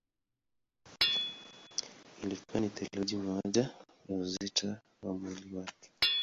Ilikuwa ni theluthi moja ya uzito wa mwili wake.